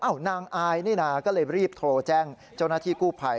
นางอายนี่นาก็เลยรีบโทรแจ้งเจ้าหน้าที่กู้ภัย